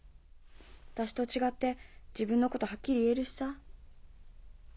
私と違って自分のことハッキリ言えるしさ。